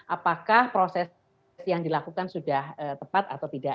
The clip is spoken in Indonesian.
apakah proses yang dilakukan sudah tepat atau tidak